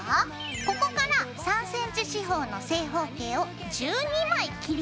ここから３ｃｍ四方の正方形を１２枚切り出すからね。